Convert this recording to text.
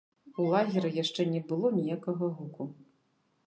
У лагеры яшчэ не было ніякага гуку.